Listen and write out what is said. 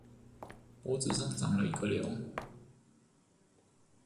脖子上長了一個瘤